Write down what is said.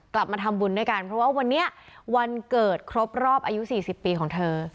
กลับมาทำบุญด้วยกันเพราะว่าวันนี้วันเกิดครบรอบอายุ๔๐ปีของเธอ